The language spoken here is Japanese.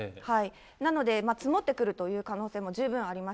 なので、積もってくるということも十分あります。